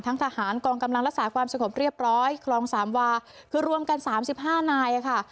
ทางทหารกรองกำลังรักษาความสะกมเรียบร้อยครองสามวาคือรวมกันสามสิบห้า